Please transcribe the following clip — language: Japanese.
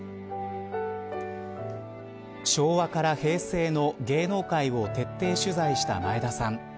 昭和から平成の芸能界を徹底取材した前田さん